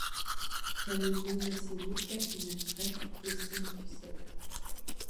Camillo Massimi, cardinal-prêtre de Saint-Eusèbe.